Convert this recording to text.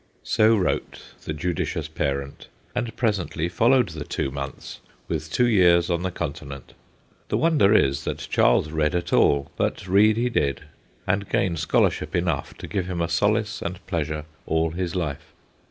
So wrote the judicious parent, and presently followed the two months with two years on the Conti nent. The wonder is that Charles read at all; but read he did, and gained scholarship enough to give him a solace and pleasure all his life.